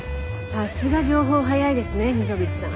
さすが情報早いですね溝口さん。